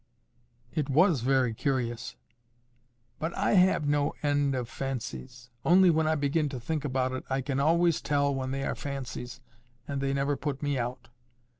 "It was very curious." "But I have no end of fancies. Only when I begin to think about it, I can always tell when they are fancies, and they never put me out.